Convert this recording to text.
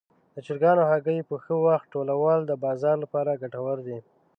د چرګانو هګۍ په ښه وخت ټولول د بازار لپاره ګټور دي.